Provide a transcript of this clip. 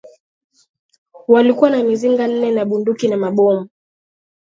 Walikuwa na mizinga nne na bunduki na mabomu